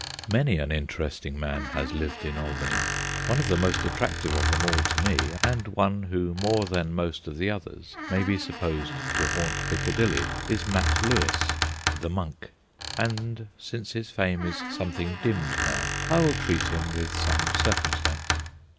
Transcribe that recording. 7 Many an interesting man has lived in Albany. One of the most attractive of them all to me, and one who more than most of the others may be supposed to haunt Piccadilly, is Mat Lewis, ' the Monk/ and since his fame is something dimmed now I will treat him with some circumstance.